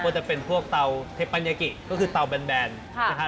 ก็จะเป็นพวกเตาเทปัญญากิก็คือเตาแบนนะครับ